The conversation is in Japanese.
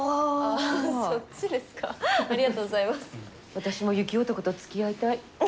私も雪男とつきあいたい。